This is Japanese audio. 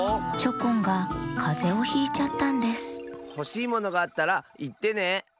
チョコンがかぜをひいちゃったんですほしいものがあったらいってね。